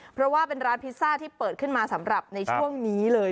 เพราะว่าเป็นร้านพิซซ่าที่เปิดขึ้นมาสำหรับในช่วงนี้เลย